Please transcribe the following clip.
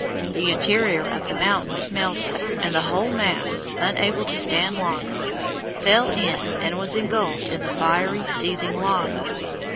The interior of the mountain was melted, and the whole mass, unable to stand longer, fell in and was engulfed in the fiery, seething lava.